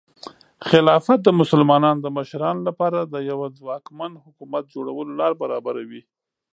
خلافت د مسلمانانو د مشرانو لپاره د یوه ځواکمن حکومت جوړولو لاره برابروي.